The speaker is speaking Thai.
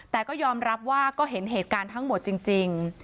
แต่ก็ยอมรับว่าก็เห็นเหตุการณ์ทั้งหมดจริง